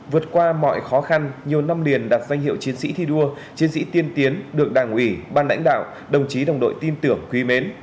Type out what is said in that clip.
vượt qua mọi khó khăn nhiều năm liền đạt danh hiệu chiến sĩ thi đua chiến sĩ tiên tiến được đảng ủy ban lãnh đạo đồng chí đồng đội tin tưởng quý mến